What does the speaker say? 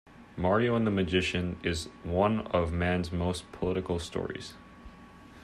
"Mario and the Magician" is one of Mann's most political stories.